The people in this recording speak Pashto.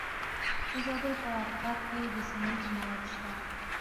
د زابل په اتغر کې د سمنټو مواد شته.